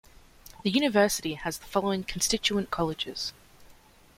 The university has the following constituent colleges.